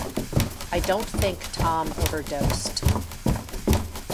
I don't think Tom overdosed.